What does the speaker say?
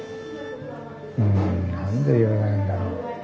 うん何で言わないんだろう。